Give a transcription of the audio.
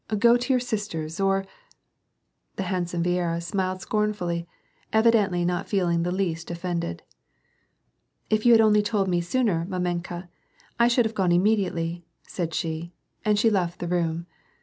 Go to your sisters, or" — The handsome Viera smiled scornfully, evidently not feel ing the least ofiFended. " If you had only told me sooner, mamenka, I should have gone immediately," said she, and she left the room.